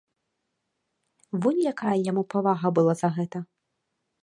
Вунь якая яму павага была за гэта!